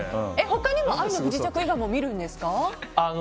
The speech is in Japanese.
他にも「愛の不時着」以外にも見るんですか？